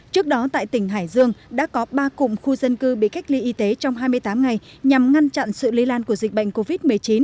trước đó tại tỉnh hải dương đã có ba cụm khu dân cư bị cách ly y tế trong hai mươi tám ngày nhằm ngăn chặn sự lây lan của dịch bệnh covid một mươi chín